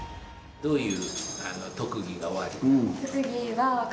どういう特技がおありになるの？